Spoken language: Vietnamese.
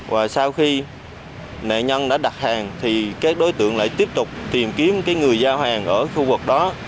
và sau khi nạn nhân đã đặt hàng thì các đối tượng lại tiếp tục tìm kiếm người giao hàng ở khu vực đó